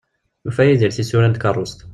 Yufa Yidir tisura n tkerrust.